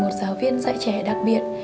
một giáo viên dạy trẻ đặc biệt